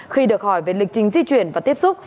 khi được hỏi về lịch trình di chuyển và tiếp xúc